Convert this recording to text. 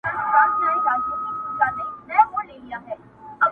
د عمر په حساب مي ستړي کړي دي مزلونه؛